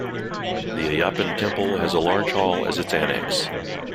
The Ayyappan Temple has a large hall as its annex.